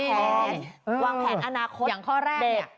แผนวางแผนอนาคตอย่างข้อแรก